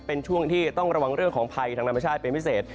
เป็นช่วงที่ต้องระวังเรื่องของภัยทางธรรมชาติเป็นพิเศษ